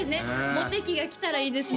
モテ期が来たらいいですね